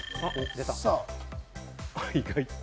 意外と？